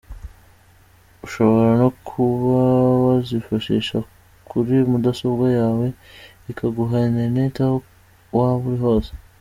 Ushobora no kuba wazifashisha kuri mudasobwa yawe ikaguha interineti aho waba uri hose.